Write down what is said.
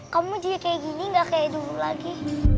kamu jadi kayak gini gak kayak dulu lagi